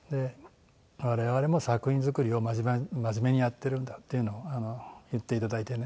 「我々も作品作りを真面目にやってるんだ」っていうのを言っていただいてね。